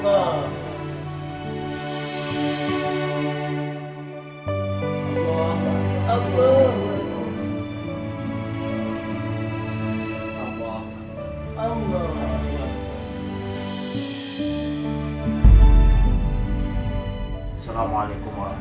assalamualaikum wr wb